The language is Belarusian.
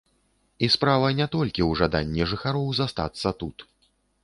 І справа не толькі ў жаданні жыхароў застацца тут.